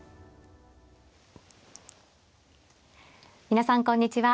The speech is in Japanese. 皆さんこんにちは。